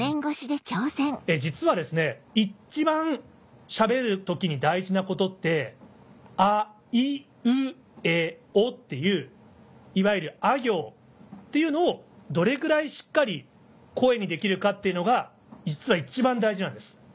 実は一番しゃべる時に大事なことって「あいうえお」っていういわゆる「あ行」っていうのをどれぐらいしっかり声にできるかっていうのが実は一番大事なんです。